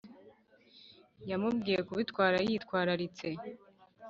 yamubwiye kubitwara yitwararitse